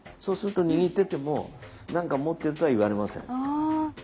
そうすると握ってても「何か持ってる」とは言われません。